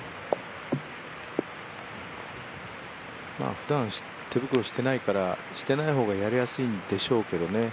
ふだん、手袋してないから、してない方がやりやすいんでしょうけどね。